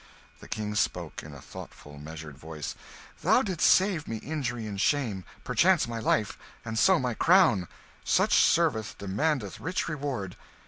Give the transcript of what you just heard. '" The King spoke in a thoughtful, measured voice "Thou didst save me injury and shame, perchance my life, and so my crown. Such service demandeth rich reward.